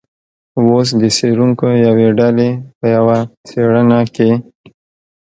اوس د څیړونکو یوې ډلې په یوه څیړنه کې